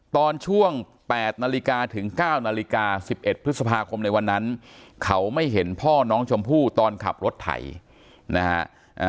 ตอนช่วง๘นาฬิกาถึง๙นาฬิกา๑๑พฤษภาคมในวันนั้นเขาไม่เห็นพ่อน้องชมพู่ตอนขับรถไถนะฮะ